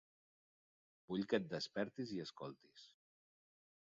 Vull que et despertis i escoltis.